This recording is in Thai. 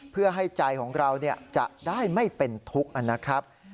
เพื่อให้ใจของเราจะได้ไม่เป็นทุกข์นะครับ